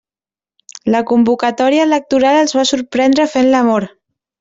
La convocatòria electoral els va sorprendre fent l'amor.